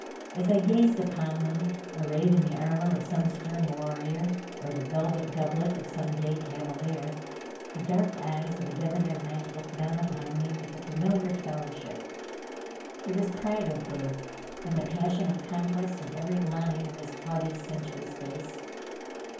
As I gazed upon them, arrayed in the armor of some stern warrior, or the velvet doublet of some gay cavalier, the dark eyes of a debonair knight looked down upon me with familiar fellowship. There was pride of birth, and the passion of conquest in every line of his haughty, sensuous face.